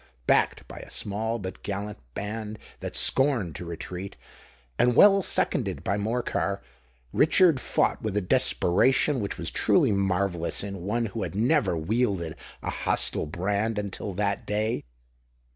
Backed by a small but gallant band that scorned to retreat, and well seconded by Morcar, Richard fought with a desperation which was truly marvellous in one who had never wielded a hostile brand until that day.